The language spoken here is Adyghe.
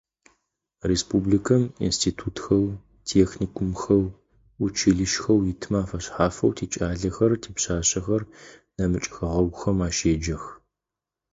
Республикэм институтхэу, техникумхэу, училищхэу итмэ афэшъхьафэу тикӏалэхэр, типшъашъэхэр нэмыкӏ хэгъэгухэм ащеджэх.